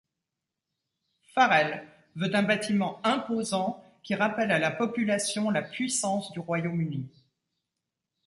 Farrell veut un bâtiment imposant qui rappelle à la population la puissance du Royaume-Uni.